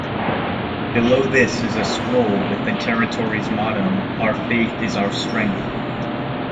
Below this is a scroll with the territory's motto, "Our faith is our strength".